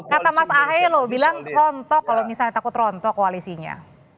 kata mas ahae loh bilang rontok kalau misalnya takut rontok koalisinya